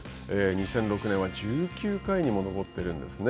２００６年は１９回にも上っているんですね。